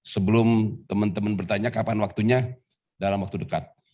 sebelum teman teman bertanya kapan waktunya dalam waktu dekat